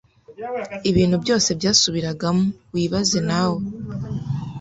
ibintu byose byasubiragamo wibaze nawe